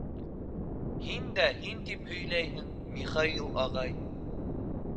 — Һин дә һин тип һөйләйһең, Михаил ағай.